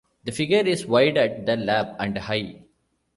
The figure is wide at the lap, and high.